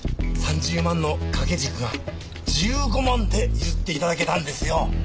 ３０万の掛け軸が１５万で譲って頂けたんですよ。